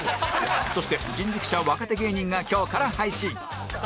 そして人力舎若手芸人が今日から配信